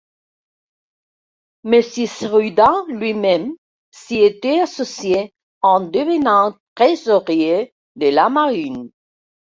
Monsieur Sheridan lui-même s'y était associé en devenant trésorier de la marine.